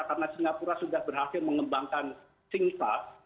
karena singapura sudah berhasil mengembangkan singtax